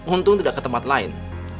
untung tidak ke tempat lain